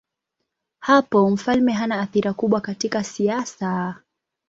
Hapo mfalme hana athira kubwa katika siasa.